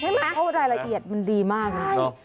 ใช่ไหมเขารายละเอียดมันดีมากนะครับนี่